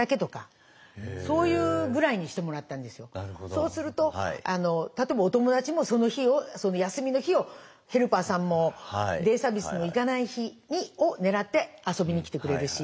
そうすると例えばお友達もその日をその休みの日をヘルパーさんもデイサービスにも行かない日を狙って遊びに来てくれるし。